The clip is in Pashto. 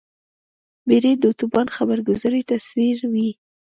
بیړۍ د توپان خبرګذارۍ ته ځیر وي.